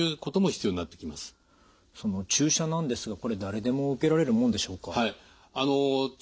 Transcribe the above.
注射なんですがこれ誰でも受けられるもんでしょうか？